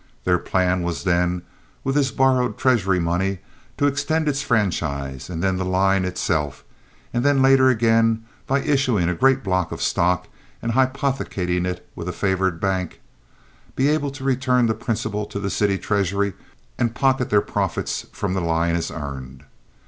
Their plan was then, with this borrowed treasury money, to extend its franchise and then the line itself, and then later again, by issuing a great block of stock and hypothecating it with a favored bank, be able to return the principal to the city treasury and pocket their profits from the line as earned.